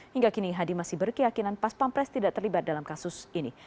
hingga kini hadi masih berkeyakinan pas pampres tidak terlibat dalam kasus ini